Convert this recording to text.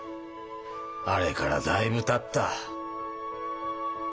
あれからだいぶたった。